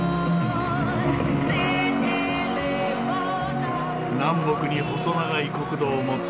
南北に細長い国土を持つベトナム。